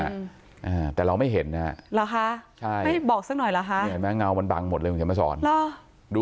อ่าแต่เราไม่เห็นนะฮะหรอฮะใช่ให้บอกสักหน่อยหรอฮะ